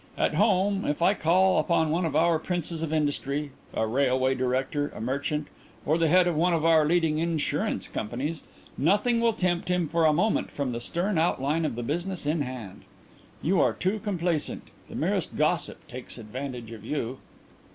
At home, if I call upon one of our princes of industry a railway director, a merchant, or the head of one of our leading insurance companies nothing will tempt him for a moment from the stern outline of the business in hand. You are too complaisant; the merest gossip takes advantage of you.'"